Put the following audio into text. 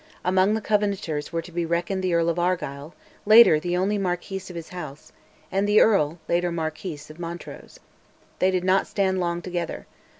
Among the Covenanters were to be reckoned the Earl of Argyll (later the only Marquis of his House), and the Earl, later Marquis, of Montrose. They did not stand long together.